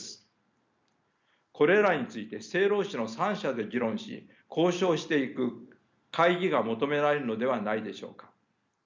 これらについて政労使の三者で議論し交渉していく会議が求められるのではないでしょうか。